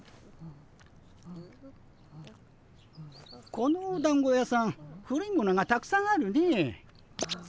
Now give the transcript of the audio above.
このおだんご屋さん古いものがたくさんあるね。